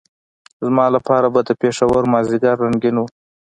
زما لپاره به د پېښور مازدیګر رنګین وو.